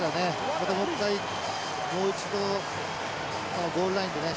またもう一回もう一度ゴールラインでね